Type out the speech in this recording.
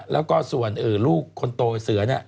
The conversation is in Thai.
แล้วก็ส่วนลูกคนโตเสือเนี่ย